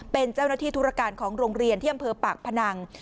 เป็นเจ้าหน้าที่ธุรการของโรงเรียนที่อำเภอปากพนัง